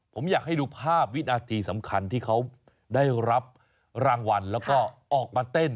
ผมอยากให้ดูภาพวินาทีสำคัญที่เขาได้รับรางวัลแล้วก็ออกมาเต้น